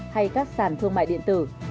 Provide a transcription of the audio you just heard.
hay các sản thương mại điện tử